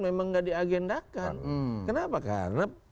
memang enggak di agendakan